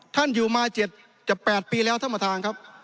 ท่านอยู่มา๗๘ปีแล้วธรรมทางครับ